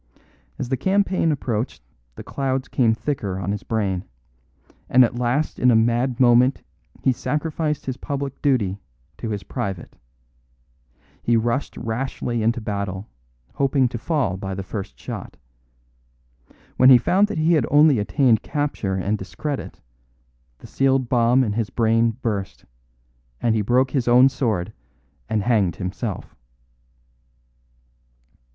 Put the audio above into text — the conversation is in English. As the campaign approached the clouds came thicker on his brain; and at last in a mad moment he sacrificed his public duty to his private. He rushed rashly into battle, hoping to fall by the first shot. When he found that he had only attained capture and discredit, the sealed bomb in his brain burst, and he broke his own sword and hanged himself."